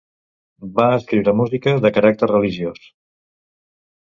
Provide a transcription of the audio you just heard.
Va escriure música de caràcter religiós.